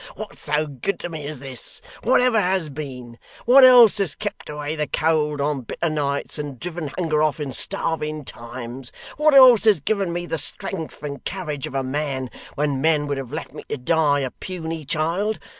What's so good to me as this? What ever has been? What else has kept away the cold on bitter nights, and driven hunger off in starving times? What else has given me the strength and courage of a man, when men would have left me to die, a puny child?